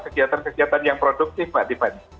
kegiatan kegiatan yang produktif pak dipan